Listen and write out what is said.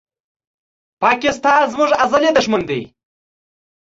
پاکستان زموږ ازلي دښمن دی